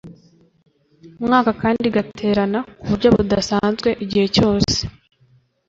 mwaka kandi igaterana ku buryo budasanzwe igihe cyose